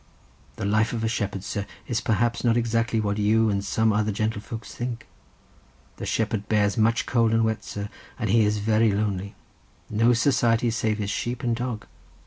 The life of a shepherd, sir, is perhaps not exactly what you and some other gentlefolks think. The shepherd bears much cold and wet, sir, and he is very lonely; no society save his sheep and dog.